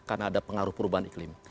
karena ada pengaruh perubahan iklim